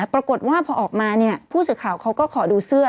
ปรากฏว่าพอออกมาเนี่ยผู้สิทธิ์ข่าวเขาก็ขอดูเสื้อ